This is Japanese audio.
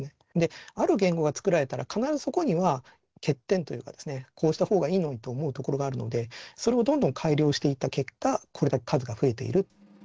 ある言語が作られたら必ずそこには欠点というかですねこうした方がいいのにと思うところがあるのでそれをどんどん改良していった結果これだけ数が増えている。